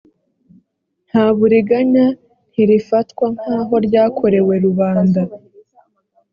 nta buriganya ntirifatwa nk’aho ryakorewe rubanda